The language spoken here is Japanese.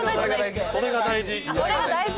「それが大事」